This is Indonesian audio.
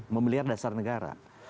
memelihara dasar negara